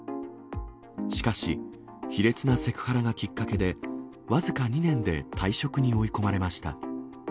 しかし、卑劣なセクハラがきっかけで、僅か２年で退職に追い込まれました。